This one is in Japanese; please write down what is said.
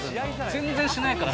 全然しないから。